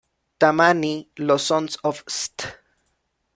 Tammany, los Sons of St.